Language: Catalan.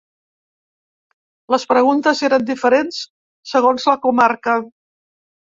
Les preguntes eren diferents segons la comarca.